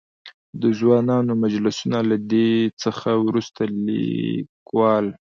د ځوانانو مجلسونه؛ له دې څخه ورورسته ليکوال.